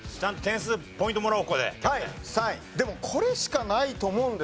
でもこれしかないと思うんですよ。